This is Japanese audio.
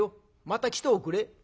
また来ておくれ」。